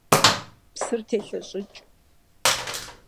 Псыр телъэщӏыкӏ.